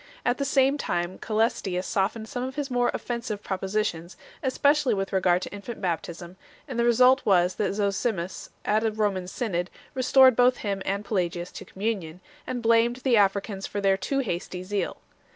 At the same time Caelestius softened some of his more offensive propositions, especially with regard to infant baptism 4 , and the result was that Zosimus at a Roman synod restored both him and Pelagius to communion, and blamed the Africans for their too hasty zeal 5